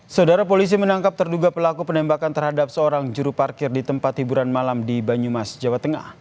saudara polisi menangkap terduga pelaku penembakan terhadap seorang juru parkir di tempat hiburan malam di banyumas jawa tengah